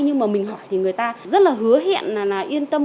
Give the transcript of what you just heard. nhưng mà mình hỏi thì người ta rất là hứa hẹn là yên tâm